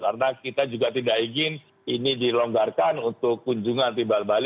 karena kita juga tidak ingin ini dilonggarkan untuk kunjungan tiba tiba